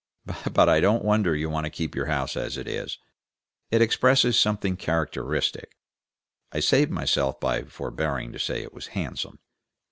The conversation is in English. But I don't wonder you want to keep your house as it is. It expresses something characteristic." I saved myself by forbearing to say it was handsome.